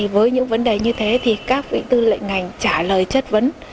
với những vấn đề như thế thì các vị tư lệnh ngành trả lời chất vấn